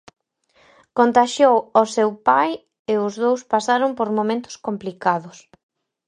Contaxiou ao seu pai e os dous pasaron por momentos complicados.